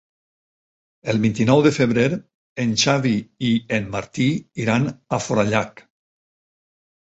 El vint-i-nou de febrer en Xavi i en Martí iran a Forallac.